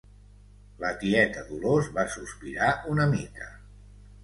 La tieta Dolors va sospirar una mica.